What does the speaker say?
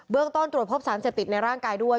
เรื่องต้นตรวจพบสารเสพติดในร่างกายด้วย